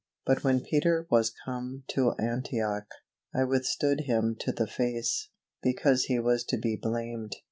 "But when Peter was come to Antioch, I withstood him to the face, because he was to be blamed.